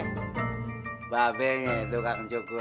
mba abe itu kak cukur